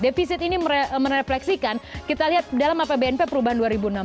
defisit ini merefleksikan kita lihat dalam apbnp perubahan dua ribu enam belas